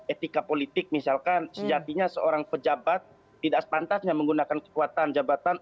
etika politik misalkan sejatinya seorang pejabat tidak sepantasnya menggunakan kekuatan jabatan